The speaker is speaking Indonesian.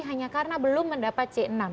hanya karena belum mendapat c enam